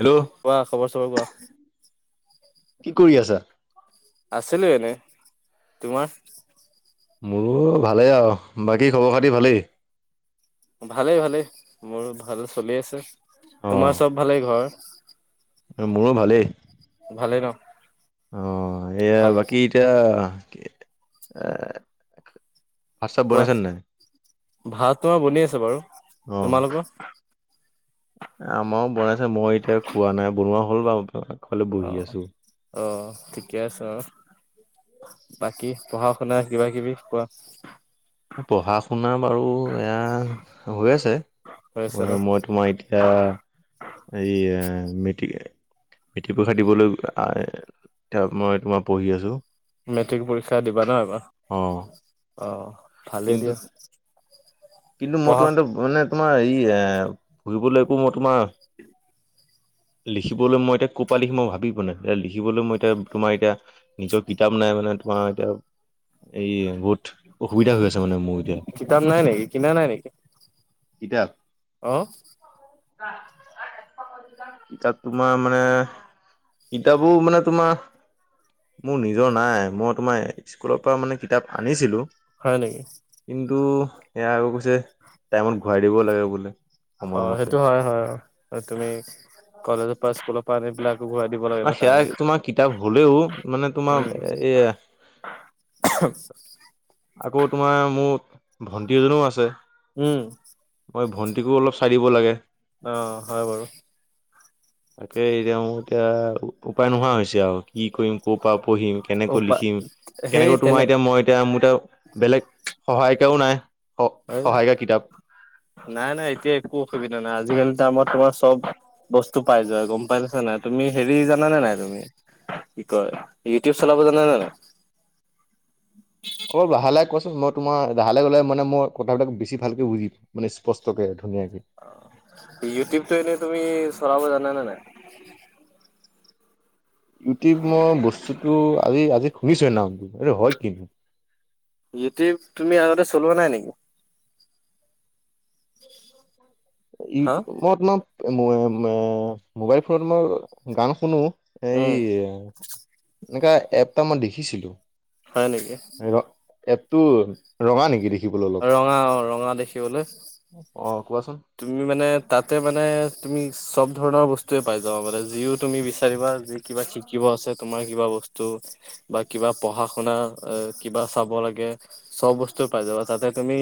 Hello কোৱা খবৰ-চবৰ কোৱা কি কৰি আছা? আছিলো এনেই তোমাৰ মোৰো ভালেই আৰু বাকী খবৰ খাতি ভালেই। ভালেই ভালেই মোৰো ভাল চলি আছে, তোমাৰ অ' চব ভালেই ঘৰ? মোৰো ভালেই। ভালে ন? অ এয়া ভাল বাকী এতিয়া এ' ভাত- চাত কোৱা বনাইছা নে‌ নাই? ভাত তোমাৰ বনি আছ বাৰু তোমালোকৰ আমাৰও বনাইছে মই এতিয়া খোৱা নাই বনোৱা হ'ল বাৰু। আগফালে বহি আহ আছো। আহ ঠিকে আছে অ'। বাকী পঢ়া শুনা কিবা কিবি কোৱা? পঢ়া শুনা বাৰু এয়া হৈ আছে। হৈছে ম ন মই তোমাৰ এতিয়া এই [unintelligible] পৰীক্ষা দিবলৈ মই তোমাৰ পঢ়ি আছোঁ মেট্ৰিক পৰীক্ষা দিবা নহ এবাৰ, অ' অ' ভালেই কিন্তু দিয়া। কিন্তু মই পঢ়া [unintelligible] মানে তোমাৰ হেৰি ফুৰিবলৈ একো মই তোমাৰ। লিখিবলৈ মই এতিয়া ক'ৰ পৰা লিখিম মই ভাবি পোৱা নাই এ লিখিবলৈ মই এতিয়া তোমাৰ এতিয়া নিজৰ কিতাপ নাই মানে তোমাৰ এতিয়া এই বহুত। অসুবিধা হৈ আছে মানে মোৰ এতিয়া। কিতাপ নাই নেকি [inaudible] কিতাপ। অহ। [unintelligible] তাত তোমাৰ মানে কিতাপৰ মানে তোমাৰ। মোৰ নিজৰ নাই মই তোমাৰ স্কুলৰ পৰা মানে কিতাপ আনিছিলোঁ। হয় নেকি? কিন্তু সেয়া আৰু কৈছে টাইমত ঘূৰাই দিব লাগে বোলে। অ' সময়মতে সেইটো হয় হয়, অ তুমি কলেজৰ পৰা স্কুলৰ পৰা আনি পেলাই। আকৌ ঘূৰাই দিব লাগে ন সেয়া টাইমত তোমাৰ কিতাপ হলেও মানে উম তোমাৰ এয়া [inaudible] ভণ্টি এজনও আছে। উম। মই ভণ্টিকো অলপ চাই দিব লাগে। অ হয় বাৰু। তাকে এতিয়া মোৰ এতিয়া উপায় নোহোৱা হৈছে আৰু। কি কৰিম ক'ৰ পৰা পঢ়িম কেনেকৈ উপা লিখিম। সেই কেনেকৈ তোমাৰ তেনে এতিয়া মই এতিয়া মোৰ এতিয়া বেলেগ সহায়িকাও নাই। সহায়িকা কিতাপ [unintelligible] নাই নাই এতিয়া একো অসুবিধা নাই আজ আজিকালি টাইমত তোমাৰ চব বস্তু পাই যোৱা গম পাইছা নে নাই তুমি হেৰি জানা নে নাই তুমি? কি কয় ইউটিউব চলাব জানা নে নাই? [inaudible] অ ভালে কচ মই তোমাৰ বাহিৰলে গ'লে মানে মই কথাবিলাক বেছি ভালকে বুজিম মানে স্পষ্টকে। ধুনীয়াকে ইউটিউবটো এনে তুমি চলাব জানা নে নাই? ইউটিউব মই বস্তুটো আজি, আজি শুনিছোঁ নামটো এইটো হয় কি? ইউটিউব তুমি আগতে চলোৱা নাই নেকি? হা ইউ মই তোমাৰ [unintelligible] মোবাইল ফোনত মই গান শুনো। এই উম এনেকা এপ এটা মই দেখিছিলোঁ। হয় নেকি। এপটো ৰঙা নেকি দেখি ৰঙা অ ৰঙা দেখিবলৈ। অ কোৱাচোন তুমি মানে তাতে মানে তুমি। চব ধৰণৰ বস্তুয়ে পাই যাবা মানে যিও তুমি বিচাৰিবা যি কিবা শিকিব আছে তোমাৰ কিবা বস্তু বা কিবা পঢ়া শুনা কিবা চাব লাগে চব বস্তু পাই যাবা। তাতে তুমি।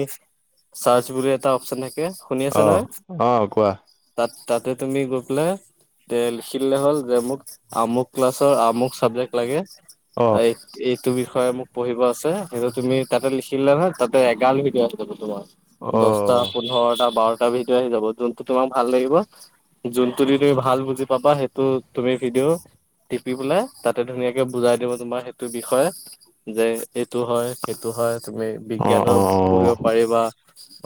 চাৰ্চ বুলি এটা অপচন থাকে শুনি আছা অ নহয় অ কোৱা তাত। তাতে তুমি গৈ পেলাই। তে লিখি দিলে হ'ল যে মোক আমুক ক্লাছৰ আমুক চাবজেক্ট লাগে। অ এই-এইটো বিষয়ে মোক পঢ়িব আছে সেইটো তুমি তাতে লিখি দিলা নহয় তাত এগাল ভিদিও [unintelligible] তোমাৰ অ দহটা পোন্ধৰটা বাৰ [unintelligible] তোমাক ভাল লাগিব। যোনটো ভিডিউ তুমি ভাল বুজি পাবা, সেইটো তুমি ভিডিউ টিপি পেলাই তাতে ধুনীয়াকে বুজাই দিব, তোমাৰ সেইটো বিষয়ে যে, এইটো হয়, সেইটো হয়, তুমি অ অ জ্ঞানৰ অ পঢ়িব পাৰিবা,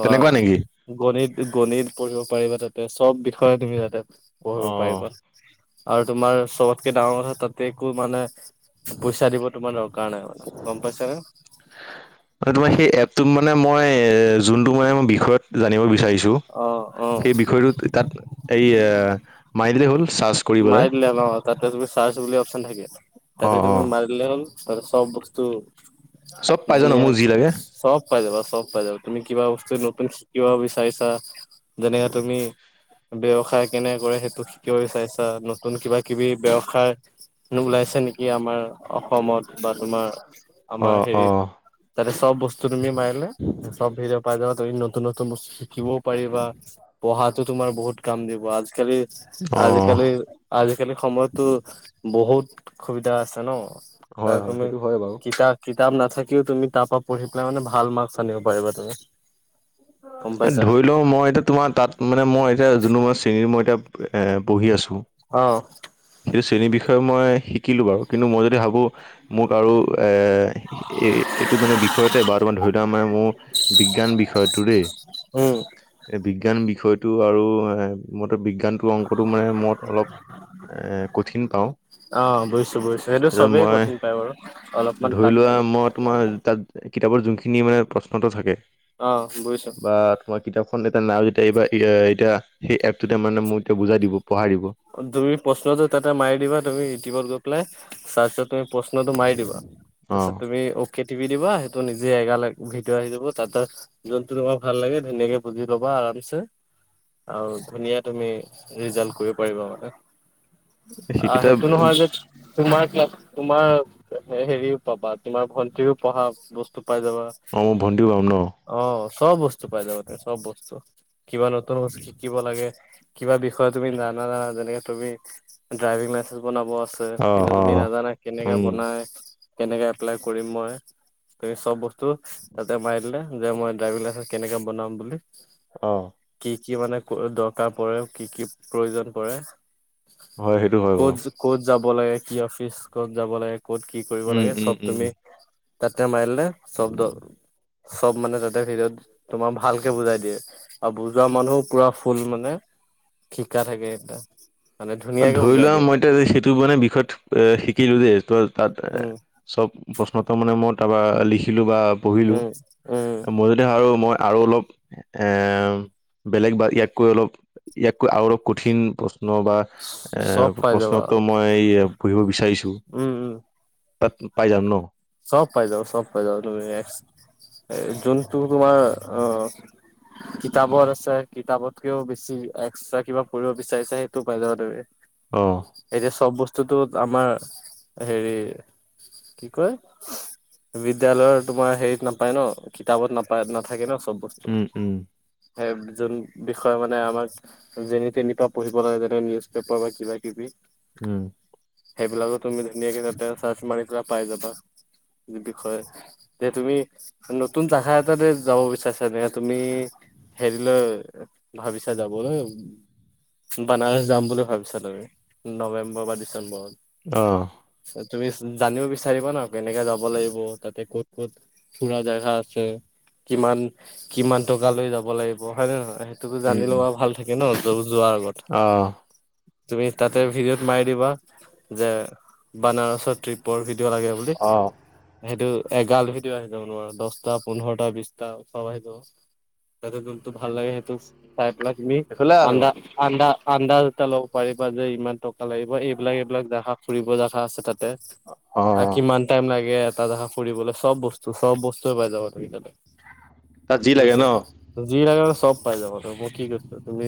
তেনেকুৱা অ', নেকি গণিত, গণিত পঢ়িব পাৰিবা তাতে, চব বিষয়ে তুমি তাতে অ পঢ়িব পাৰিবা। আৰু তোমাৰ, চবতকে ডাঙৰ কথা তাতে একো মানে পইচা দিব তোমাৰ দৰকাৰ নাই মানে, গম পাইছাঁ নে? এপটো মানে মই জোনটো মানে মই, বিষয়ত জানিব বি চাৰিছোঁ, অ', অ', সেই বিষয়টো তাত এই মাইদিলেই হ'ল। চাৰ্চ কৰি পেলাই মাৰি দিলা ন, তাতে তুমি চাৰ্ছ বুলি অপছন থাকে, অ তাতে অ তুমি মাৰি দিলে হ'ল তাতে চব বস্তু চব পাই যাও ন ধুনিয়া, মোৰ যি লাগে চব পাই যাবা, চব পাই যাবা, তুমি কিবা বস্তু নতুন শিকিব বিচাৰিছা, যেনেকে তুমি- ব্যৱসায় কেনেকে কৰে সেইটো শিকিব বিচাৰিছা, নতুন কিবা কিবি ব্যৱসায় ওলাইছে নেকি আমাৰ অসমত বা তোমাৰ। অ আমাৰ অ হেৰিত তাতে চব বস্তু তুমি মাৰিলে চব হেৰি পাই যাবা। নতুন, নতুন বস্তু শিকিবও পাৰিবা, পঢ়াতো তোমাৰ বহুত কাম দিব, আজিকালি অ'। আজিকালি, আজিকালি সময়তটো বহুত সুবিধা আছে ন'। হয় আৰু হয় তুমি, সেইটো হয় বাৰু কিতাপ কিতাপ নাথাকিও তুমি তাৰ পঢ়ি পেলাই মানে, ভাল মাৰ্ক আনিব পাৰিবা তুমি। গম এ, পাইছা ধৰি লওঁ মই এতিয়া তোমাৰ তাত মানে, মই এতিয়া যোনো মই চিঙী [unintelligible] মই এতিয়া এ পঢ়ি আছো। অ [unintelligible] শ্ৰেণীৰ বিষয়ে মই শিক কিলো বাৰু, কিন্তু মই যদি ভাবোঁ মোক আৰু এ, এ-এইটো মানে বিষয়তে বা তাৰমান ধৰি থোৱা মানে মোৰ বিজ্ঞান বি টো দেই, উম এই বিজ্ঞান বিষয়টো আৰু [unintelligible] বিজ্ঞান টো অংকটো মানে মই অলপ এ কঠিন পাওঁ। অ বুজিছো বুজিছো সেইটো তাৰছত চবেই মই, কঠিন পায় বাৰু অলপমান ধৰি টান লোৱা পায়। মই তোমাৰ তাত কিতাপৰ জোনখিনি মানে প্ৰশ্নটো থাকে অ বুজিছো বা তোমাৰ কিতাপখন এতিয়া নাই যেতিয়া এইবাৰ এ এতিয়া সেই এপটোতে মানে মোক এতিয়া বুজাই দিব, পঢ়াই দিব। তুমি প্ৰশ্নটো তাতে মাৰি দিবা, তুমি ইউটিউবত গৈ পেলাই চাৰ্চত তুমি প্ৰশ্নটো মাৰি দিবা, অ তাছত তুমি অ' কে ত টিপি দিবা, সেইটো নিজে এগাল ভিডিঅ' আহি যাব, তাত জোনতটো তোমাৰ ভাল লাগে ধুনীয়াকে বুজি পাবা আৰু তাৰপিছত আৰু ধুনীয়া তুমি ৰিজাল্ট কৰিব পাৰিবা মানে অ' সেইটো নহয় যে তোমাৰ হেৰিও পাবা, তোমাৰ ভন্টিৱেও পঢ়া বস্ত পাই যাবা, মোৰ ভণ্টিও পাম ন অ' চব বস্তু পাই যাবা তুমি, চব বস্তু। কিবা নতুন বস্তু শিকিব লাগে কিবা বিষয় তুমি না-নাজানা, যেনেকে তুমি ড্ৰাইভিং লাইচেন্ঞ্চ বনাব চে, অ কিন্তু অ তুমি নাজানা কেনেকে উম বনায়, কেনেকে এপ্লাই কৰিম মই তুমি চব বস্তু তাতে মাৰি দিলে, যে মই ড্ৰাইভিং লাইচেন্স কেনেকে বনাম বুলি অ' কি কি মানে দৰকাৰ পৰে, কি কি প্ৰয়োজন পৰে হয়, সেইটো হয় বাৰু ক'ত ক'ত যাব লাগে, কি অফিচ, ক'ত যাব লাগে, ক'ত কি কৰিব উম লাগে, উম চব উম। তুমি তাতে মা দিলে, চব দাউন চব মানে তাতে ভিডিঅ'ত তোমাৰ ভালকে বুজাই দিয়ে, আৰু বুজোৱা মানুহো পুৰা ফুল মানে শিক্ষা থাকে। এটা মানে ধুনীয়াকে ধৰি বুজাই লোৱা দিয়ে মই আৰু। এতিয়া সেইটো মানে বিষয়ত এ শিকিলো দেই, ত তাত উম, চব প্ৰশ্ন উত্তৰ মানে মই তাপা লিখিলো বা পঢ়িলো, উম, উম, মই ধৰা আৰু মই আৰু অলপ এ বেলেগ বা ইয়াতকৈ অলপ, ইয়াতকৈ আৰু অলপ কঠিন প্ৰশ্ন বা চব এ, পাই প্ৰশ্ন যাবা। উত্তৰ মই পঢ়িব বিচাৰিছোঁ উম, উম, তাত পাই যাম ন? চ'ব পাই যাব, চ'ব পাই যাব, তুমি যোনটো তোমাৰ অ' কিতাপত আছে, কিতাপতকেও বেছি এক্সট্ৰা কিবা পঢ়িব বিচাৰিছে সেইটো পাই যাবা তুমি অ। এতিয়া চ'ব বস্তুটো আমাৰ হেৰি কি কয়? বিদ্যালয়ৰ তোমাৰ হেৰিত নাপায় ন কিতাপত নাপায় নাথাকে ন চ'ব বস্তু উম উম। সেই যোন বিষয়ে মানে আমাক যেনি তেনি পা পঢ়িব লাগে যেনে নিউজ পেপাৰ বা কিবা কিবি উম, সেইবিলাকো তুমি ধুনীয়াকে তাতে চাৰ্চ মাৰি পেলাক পাই যাবা। [inaudible] বিষয়ে, যে তুমি নতুন শাখা এটাতে যাব বিচাৰিছা নে তুমি হেৰিলৈ, ভাবিছা যাবলৈ বানাৰস যাম বুলি ভাবিছা তুমি, নৱেম্বৰ বা ডিচেম্বৰত অ' তুমি জানিব বিচাৰিবা ন কেনেকে যাব লাগিব, তাতে ক'ত ক'ত ফুৰা জাগা আছে কিমান, কিমান টকা লৈ যাব লাগিব, হয় নে নহয়? তো জানি উম। লোৱা ভাল থাকে ন যো- যোৱাৰ আগত অ তুমি তাতে ভিডিঅ'ত মাৰি দিবা, যে বানাৰসৰ ট্ৰিপৰ ভিডিঅ' লাগে বুলি অ হেটো এগালভিদিও আছে যাব নোৱাৰো দহটা, পোন্ধৰটা, বিশটা চ'ব আহি যাব তেহত যোনটো ভাল লাগে সেইটো চাই পেলা তুমি এইফালে আহো আন্দা আন্দা আন্দাজটা ল'ব পাৰিবা যে ইমান থ লাগিব এইবিলাক এইবিলাক জহা ফুৰিব জহা আছে তাতে অ কিমান টাইম লাগে এটা জা ফুৰিবলৈ চ'ব বস্তু চ'ব বস্তু পাই যাব তাল তাত যি লাগে বুজিছা ন যি চ'ব পাই যাব ত মই কি কৈছো তুমি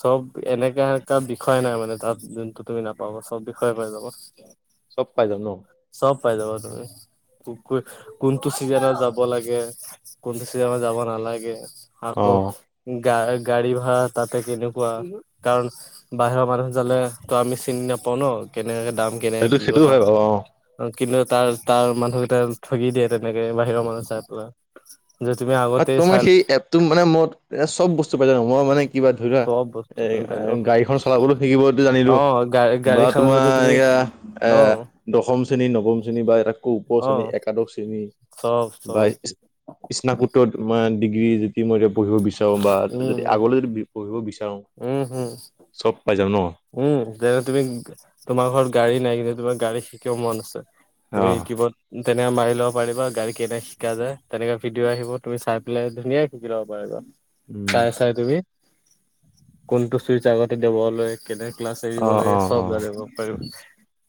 চ'ব এনেকা এটা বিষয় নাই মানে তাত যোনটো তুমি নাপাব চ'ব বিষয়ে পায় যাব। চ'ব পাই যাব। চ'ব পাই যাব তুমি, কোনটো চিজনত যাব লাগে। কোনটো চিজনত যাব নালাগে আকৌ অ। গা গাড়ী ভাড়া তাত ত কেনেকুৱা কাৰণ বাহিৰৰ মানুহ জালে তো আমি চিনি নাপাওঁ ন কে এনে দাম কেনে সেইটো কি সেইটো কথা। হয় বাৰু অ অ কিন্তু তাৰ তাৰ মানুহকেইটটা ঠগি দিয়ে, তেনেকে বাহিৰৰ মানুহ চাই পেলাই যে তুমি আগতে তোমাৰ চাই সেই এপটো মানে ম এ চ'ব বস্তু পাই জানো মই মানে কিবা ধৰা চব বস্তু এ তুমি পাই যাবা গাড়ীখন চলাবলৈ শিকিবত অ জানিলোঁ গাড়ী বা গাড়ীখনত তোমাৰ যদি তুমি এনেকয়া অ দশম শ্ৰেণী, নৱম শ্ৰেণীৰ বা এটা উপ অ শ্ৰেণী, একাদশ্ৰেণী চ'ব চ'ব কৃষ্ণৰ পূত্ৰৰ ডিগ্ৰী যদি মই পঢ়িব বিচাৰো বা উম যদি উম আগলৈ যদি পঢ়িব বিচাৰো উম হম চ'ব পাই যাম ন। উম, যেনে তুমি তোমাৰ ঘৰত গাড়ী নাই, কিন্তু তোমাৰ গাড়ী শিকিবও মন আছে। অ তুমি কিবা তেনেকে মাৰি ল'ব পাৰিবা গাড়ী কেনে শিকা যায় তেনেকে ভিডিঅ' আহিব তুমি চাই পেলায় ধুনীয়াক শিকি ল'ব পাৰা। উম চাই চাই তুমি কোনটো চুইচ আগতে দিৱলৈ কেনে ক্লাছ অ এৰিব লাগে অ অ চ'ব জানিব পাৰো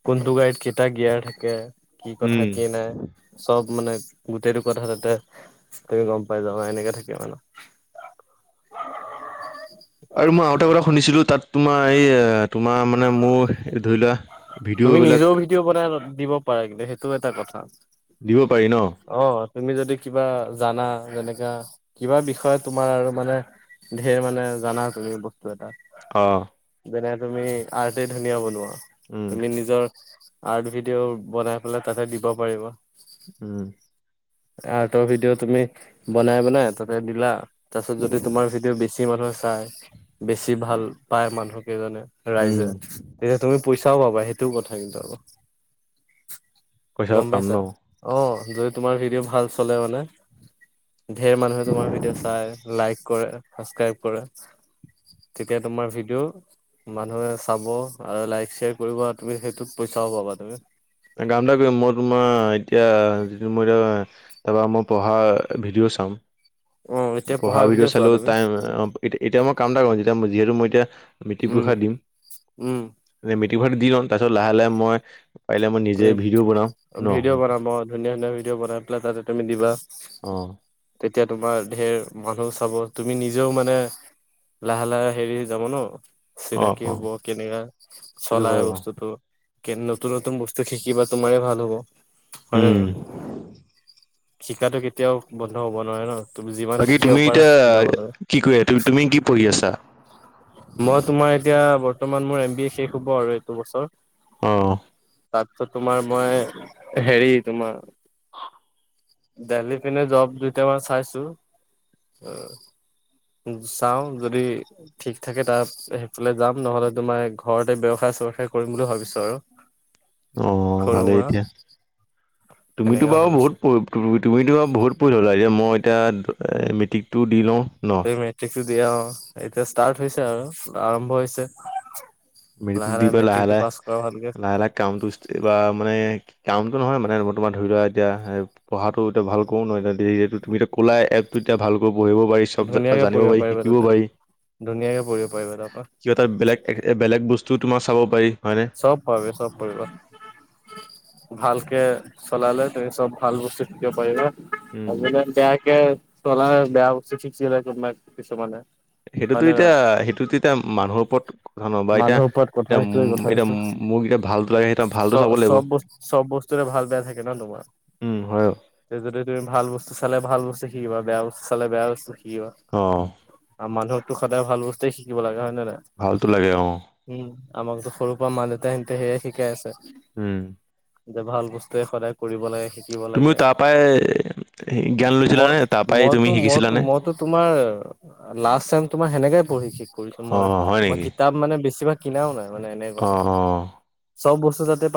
কোনটো গাড়ীত কেইটা গিয়াৰ থাকে। কি কথা উম কি নাই চ'ব। মানে গোটেইটো কথা তাতে তুমি গ'ম পাই যাবা এনেকে থাকে মানে। [inaudible] আৰু মই আও এটা কথা শুনিছিলো, তাত তোমাৰ এই তোমাৰ মানে মোৰ ধৰি লোৱা তুমি ভিডিঅ'বিলাক নিজেও ভিডিঅ' বনাই দিব পাৰা কিন্তু সেইটো এটা কথা। দিব পাৰি ন অ তুমি যদি কিবা জানা যেনেকা কিবা বিষয়ে তোমাৰ আৰু মানে ঢেৰ মানে জানা তুমি বস্তু এটা অ'। যেনে তুমি আৰ্টে ধুনীয়া বনোৱা। উম, তুমি নিজৰ আৰ্ট ভিডিঅ' বনাই পেলাই তাতে দিব পাৰিবা। উম। আৰ্টৰ ভিডিঅ' তুমি বনাই - বনাই তাতে দিলা। তাৰপিছত যদি তোমাৰ ভিডিঅ' বেছি বেছি মানুহে চায়, বেছি ভাল পায় মানুহকেইজনে, উম, ৰাইজে, তেতিয়া তুমি পইচা চাও পাবা সেইটোও কথা কিন্তু আকৌ। পইচা গম পাম পাইছা? ন? অ'। যদি তোমাৰ ভিডিঅ' ভাল চলে মানে ধেৰ মানুহে তোমাৰ ভিডিঅ' চাই লাইক কৰে ছাবস্ক্ৰাইব কৰে। তেতিয়া তোমাৰ ভিডিঅ' মানুহে চাব আৰু লাইক শ্বেয়াৰ। কৰিবা তুমি সেইটোত পইচাও পাবা তুমি। কাম এ কৰিম মই তোমাৰ এতিয়া যি মই এতিয়া তাৰপৰা মই পঢ়া ভিডিঅ' চাম। অ এতিয়া পঢ়া ভিডিঅ' চোৱা চালো তুমি টাইম এতিয়া মই কাম এটা কৰিম। যিহেতু মই এতিয়া মেট্ৰিক উম পৰীক্ষা দিম, উম মেট্ৰিক [unintelligible] দি লম, তাৰপিছত লাহে- লাহে মই পাৰিলে মই নিজে ভিডিঅ' বনাম। অ' ন? ভিডিঅ' বনাম অ'। ধুনীয়া - ধুনীয়া ভিডিঅ' বনাই পেলাই তাৰছত তুমি দিবা। অ', তেতিয়া তোমাৰ ঢেৰ মানুহ চাব। তুমি নিজেও মানে লাহে - লাহে হেৰি হৈ যাব ন'। অ', চিনাকি অ', হব, কেনেকা সেইটো চলাই হয় বাৰু। বস্তুটো, কে নতুন - নতুন বস্তু শিকিবা, তোমাৰে ভাল হ'ব। হয় নে উম। নহয়? শিকাটো কেতিয়াও বন্ধ হব নোৱাৰে ন'। তুমি যিমান বাকী শিকিব তুমি পাৰা এতিয়া শিকি যাব লাগে। কি কৰি- তু- তুমি কি পঢ়ি আছা? মই তোমাৰ এতিয়া বৰ্ত মান মোৰ এম বি এ শেষ হব আৰু এইটো বছৰ। অ', তাৰপিছত তোমাৰ মই হেৰি তোমাৰ দেলহিৰ পিনে জব দুইটামান চাইছোঁ। চাওঁ যদি ঠিক থাকে তাৰ সেইফালে যাম নহলে তোমাৰ ঘৰতে ব্যৱসায় চ্যৱসায় কৰিম বুলি ভাবিছো আৰু। আহ সৰু ভালে মুৰা এতিয়া। তুমিতো সেনেকে বাও বহুত ভাবিছো প তুমিতো ব বহুত পৰি ল'লা এতিয়া মই এতিয়া মিটিকটো দি লওঁ। ন এই মেট্ৰিকটো দিয়া অ এতিয়া ষ্টাৰ্ট হৈছে আৰু আৰম্ভ হৈছে। মেটিকটো লাহে দি পেলাই লাহে মেট্ৰিকটো লাহে পাছ কৰা ভালকে লাহে লাহে কামটো এইবা মানে কামটো নহয় মানে মই তোমাৰ ধৰি লোৱা এতিয়া পঢ়াটো এতিয়া ভালকৈ নহৈছে দেৰিয়েটো তুমিটো ক'লাই এপটোত তেতিয়া ভালকৈ পঢ়িব পাৰি চব জা ধুনীয়াকে জানিব পঢ়িব পাৰি পাৰিবা শিকিব তাতে পাৰি। ধুনীয়াকে পঢ়িব পাৰিবা তাৰপা কিবা এটা বেলেগ এক বেলেগ বস্তু তোমাৰ চাব পাৰি। হয়নে চব পাৰি চব পাৰিব ভালকে চলালে তুমি চব ভাল বস্তু শিকিব পাৰিবা উম আজিকালি বেয়াকে চলাই বেয়া বস্তু শিকিলে কোনোবাই কিছুমানে হয় সেইটোতো নে এতিয়া নহয় সেইটোতো এতিয়া মানুহৰ ওপৰত কথা ন বা এতিয়া মানুহৰ ওপৰত কথা এতিয়া সেইটোৱে এতিয়া কথাদেছো মোক এতিয়া ভালটো লাগে সেই ভালটো চব চাব লাগিব চব বস্ত চব বস্তুৱে ভাল বেয়া থাকে ন তোমাৰ, উম হয় তে যদি তুমি ভাল বস্তু চালে ভাল বস্তু শিক শিকিবা বেয়া বস্তু চালে বেয়া বস্তু শিকিবা অ আৰু মানুহকতো সদায় ভাল বস্তুে শিকিব লাগে হয় নে নাই? ভালতো লাগে। অ উম আমাকতো সৰুৰ পৰা মা দেউতাহেতে সেয়ে শিকাই আছে। উম, যে ভাল বস্তুয়ে সদায় কৰিব লাগে শিক কিব তুমিও লাগে তাৰ পৰাই জ্ঞান ম লৈছিলানে তাৰ পৰাই তুমি মইতো মই শিকিছিলানে? মইতো তোমাৰ লাষ্ট টাইম তোমাৰ সেনেকে পঢ়ি শিক কৰিছো মই, অ', হয় মই নেকি? কিত বেছিভাগ কিনাও নাই মানে এনে কথা, অ', অ'। চব বস্তু তাতে পা